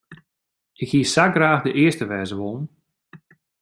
Ik hie sa graach de earste wêze wollen.